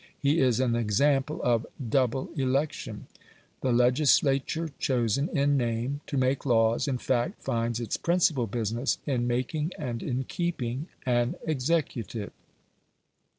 He is an example of "double election". The legislature chosen, in name, to make laws, in fact finds its principal business in making and in keeping an executive.